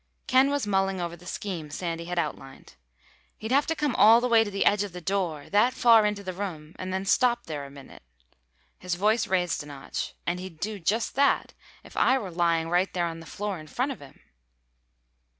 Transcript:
Ken was still mulling over the scheme Sandy had outlined. "He'd have to come all the way to the edge of the door—that far into the room—and then stop there a minute." His voice raised a notch. "And he'd do just that if I were lying right there on the floor in front of him."